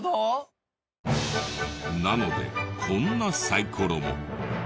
なのでこんなサイコロも。